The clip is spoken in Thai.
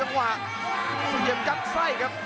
ระภาพสี่อาบจัดไสนะครับ